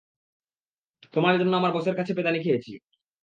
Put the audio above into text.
তোমার জন্য আমার বসের কাছে পেদানি খেয়েছি।